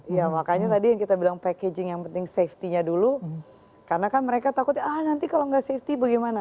ya makanya tadi yang kita bilang packaging yang penting safety nya dulu karena kan mereka takut ya nanti kalau nggak safety bagaimana